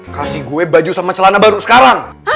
kasih gue baju sama celana baru sekarang